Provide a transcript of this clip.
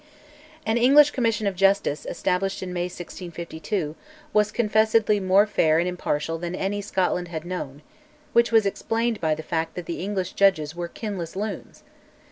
An English Commission of Justice, established in May 1652, was confessedly more fair and impartial than any Scotland had known, which was explained by the fact that the English judges "were kinless loons."